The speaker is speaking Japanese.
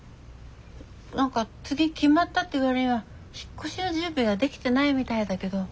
何か次決まったって割には引っ越しの準備ができてないみたいだけど。